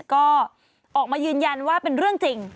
ก็ออกมายืนยันว่าเป็นเรื่องจริง